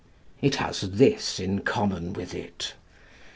It has this in common with it.